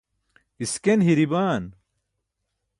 isken hiri baan